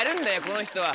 この人は。